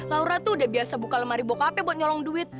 laura tuh udah biasa buka lemari bokp buat nyolong duit